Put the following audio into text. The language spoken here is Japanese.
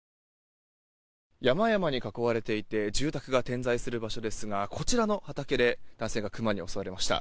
山々に囲まれていて住宅が点在する場所ですがこちらの畑で男性がクマに襲われました。